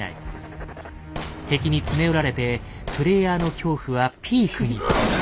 敵に詰め寄られてプレイヤーの恐怖はピークに。